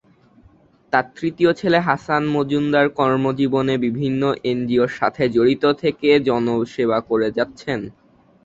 তার তৃতীয় ছেলে হাসান মজুমদার কর্মজীবনে বিভিন্ন এনজিও’র সাথে জড়িত থেকে জনসেবা করে যাচ্ছেন।